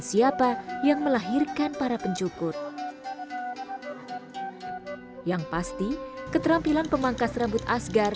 siapa yang melahirkan para pencukur yang pasti keterampilan pemangkas rambut asgar